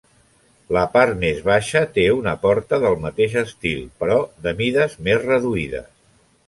La part més baixa té una porta del mateix estil, però de mides més reduïdes.